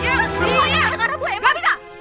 gak ada bu emon